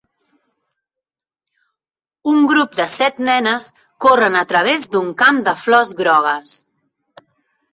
Un grup de set nenes corren a través d'un camp de flors grogues.